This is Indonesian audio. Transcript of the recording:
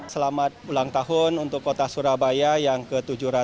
selamat ulang tahun untuk kota surabaya yang ke tujuh ratus sembilan puluh